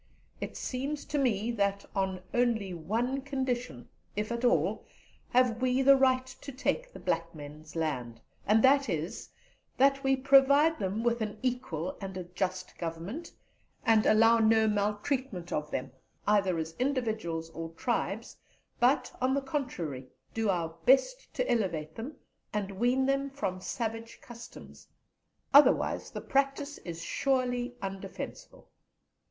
It seems to me, that on only one condition, if at all, have we the right to take the black men's land; and that is, that we provide them with an equal and a just Government, and allow no maltreatment of them, either as individuals or tribes, but, on the contrary, do our best to elevate them, and wean them from savage customs. Otherwise, the practice is surely undefensible.